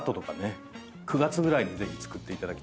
９月ぐらいにぜひ作っていただきたいですね。